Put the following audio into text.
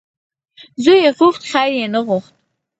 ـ زوی یې غوښت خیر یې نه غوښت .